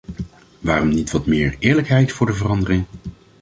Waarom niet wat meer eerlijkheid, voor de verandering?